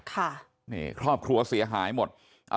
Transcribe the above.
ครอบครัวเสียหายหมด